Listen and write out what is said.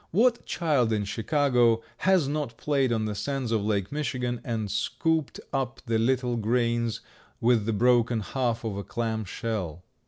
What child in Chicago has not played on the sands of Lake Michigan and scooped up the little grains with the broken half of a clam shell?